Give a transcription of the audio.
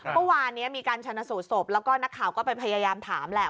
เมื่อวานนี้มีการชนะสูตรศพแล้วก็นักข่าวก็ไปพยายามถามแหละ